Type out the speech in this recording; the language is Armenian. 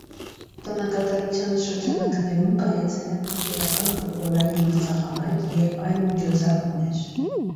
Տոնակատարության շրջանակներում կայացել են ընկերական ֆուտբոլային մրցախաղեր և այլ միջոցառումներ։